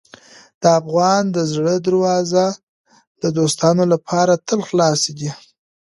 د افغان د زړه دروازې د دوستانو لپاره تل خلاصې دي.